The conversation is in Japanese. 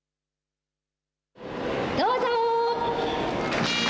どうぞ。